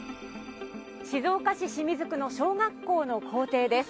静岡市清水区の小学校の校庭です。